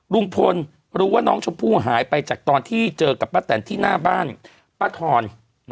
ลุงพลรู้ว่าน้องชมพู่หายไปจากตอนที่เจอกับป้าแตนที่หน้าบ้านป้าทอน